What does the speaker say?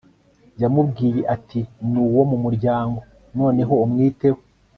yamubwiye ati ni uwo mu muryango. noneho umwiteho